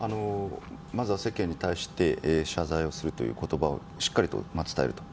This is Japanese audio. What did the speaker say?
まずは世間に対して謝罪をするという言葉をしっかりと伝えると。